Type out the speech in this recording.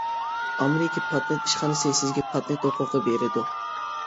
ئامېرىكا پاتېنت ئىشخانىسى سىزگە پاتېنت ھوقۇقى بېرىدۇ.